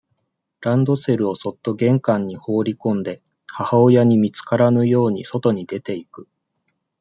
ランドセルをそっと玄関に放りこんで、母親に見つからぬように、外に出ていく。